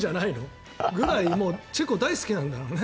それぐらいチェコ大好きなんだろうね。